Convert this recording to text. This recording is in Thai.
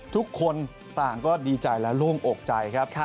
ทุกคนต่างก็ดีใจและโล่งอกใจครับ